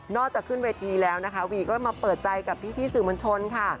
จะขึ้นเวทีแล้วนะคะวีก็มาเปิดใจกับพี่สื่อมวลชนค่ะ